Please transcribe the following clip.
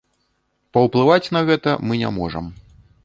Паўплываць на гэта мы не можам.